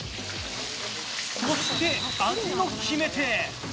そして、味の決め手！